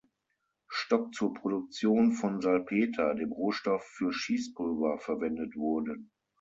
Stock zur Produktion von Salpeter, dem Rohstoff für Schießpulver, verwendet wurden.